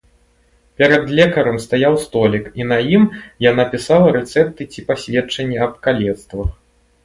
Перад лекарам стаяў столік, і на ім яна пісала рэцэпты ці пасведчанні аб калецтвах.